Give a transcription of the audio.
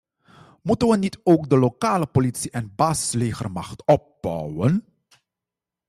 Moeten we niet ook de lokale politie en een basislegermacht opbouwen?